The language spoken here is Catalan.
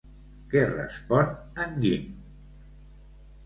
Què respon en Guim?